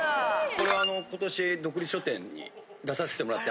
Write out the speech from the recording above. これは今年独立書展に出させてもらって。